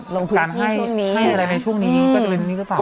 ลงพืชที่ช่วงนี้ให้อะไรในช่วงนี้ก็จะเป็นนี่หรือเปล่า